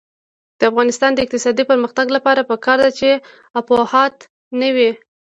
د افغانستان د اقتصادي پرمختګ لپاره پکار ده چې افواهات نه وي.